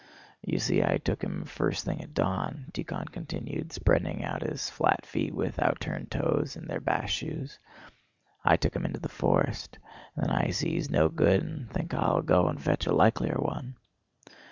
"You see, I took him first thing at dawn," Tíkhon continued, spreading out his flat feet with outturned toes in their bast shoes. "I took him into the forest. Then I see he's no good and think I'll go and fetch a likelier one."